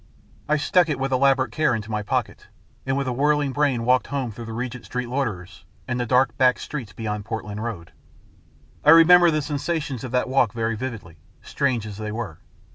I stuck it with elaborate care into my pocket, and with a whirling brain walked home through the Regent Street loiterers and the dark back streets beyond Portland Road. I remember the sensations of that walk very vividly, strange as they were.